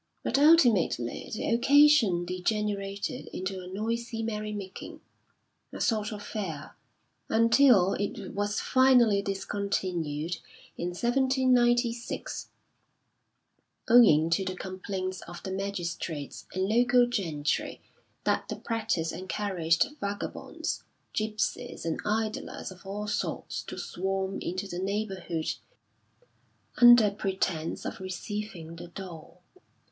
But ultimately the occasion degenerated into a noisy merry making, a sort of fair, until it was finally discontinued in 1796, owing to the complaints of the magistrates and local gentry that the practice encouraged vagabonds, gipsies and idlers of all sorts to swarm into the neighbourhood under pretence of receiving the dole.